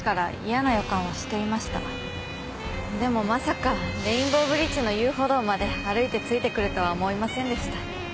でもまさかレインボーブリッジの遊歩道まで歩いてついてくるとは思いませんでした。